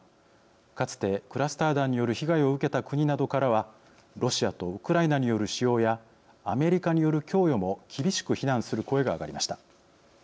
かつて、クラスター弾による被害を受けた国などからはロシアとウクライナによる使用やアメリカによる供与も厳しく非難する声が上がりました。